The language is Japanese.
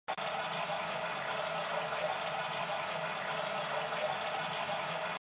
仕事に対する考え方がストイックでついていけない